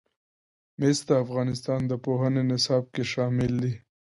مس د افغانستان د پوهنې نصاب کې شامل دي.